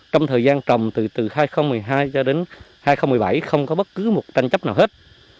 trong thời gian trồng từ từ hai nghìn một mươi hai cho đến hai nghìn một mươi bảy không có bất cứ một tranh chấp nào hết